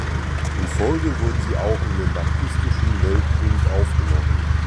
In Folge wurden sie auch in den Baptistischen Weltbund aufgenommen.